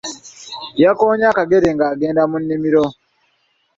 Yeekoonye akagere ng'agenda mu nnimiro.